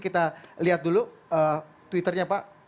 kita lihat dulu twitternya pak